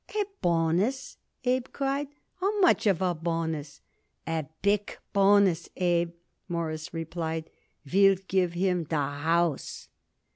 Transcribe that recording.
"A bonus!" Abe cried. "How much of a bonus?" "A big bonus, Abe," Morris replied. "We'll give him the house."